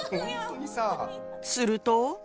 すると。